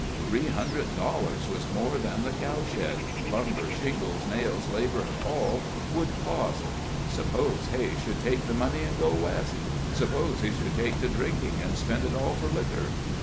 Three hundred dollars was more than the cow shed lumber, shingles, nails, labor and all would cost. Suppose Hay should take the money and go West? Suppose he should take to drinking, and spend it all for liquor!